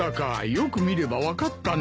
よく見れば分かったな。